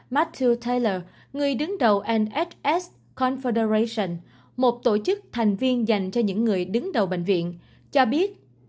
matthew taylor người đứng đầu nhs confederation một tổ chức thành viên dành cho những người đứng đầu bệnh viện cho biết